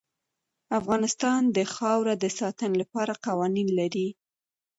افغانستان د خاوره د ساتنې لپاره قوانین لري.